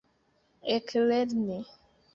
eklerni